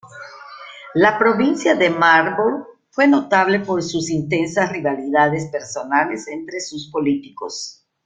La provincia de Marlborough fue notable por sus intensas rivalidades personales entre sus políticos.